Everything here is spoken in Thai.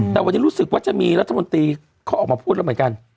แต่วันนี้รู้สึกว่าจะมีรัฐมนตรีเขาออกมาพูดแล้วเหมือนกัน